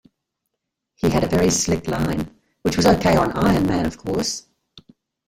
He had a very slick line, which was okay on "Iron Man", of course.